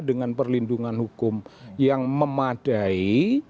dengan perlindungan hukum yang memadai